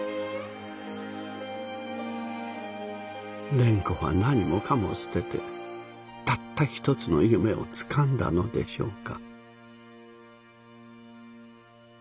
蓮子は何もかも捨ててたった一つの夢をつかんだのでしょうか。